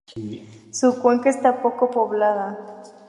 Su cuenca está poco poblada.